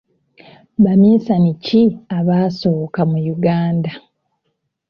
Baminsani ki abasooka mu Uganda?